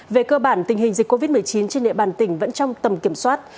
về cơ bản tình hình dịch covid một mươi chín trên địa bàn tỉnh vẫn trong tầm kiểm soát